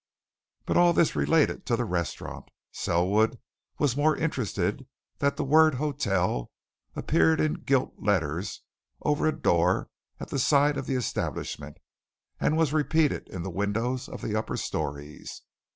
But all this related to the restaurant Selwood was more interested that the word "Hotel" appeared in gilt letters over a door at the side of the establishment and was repeated in the windows of the upper storeys.